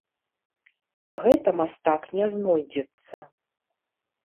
На гэта мастак не знойдзецца.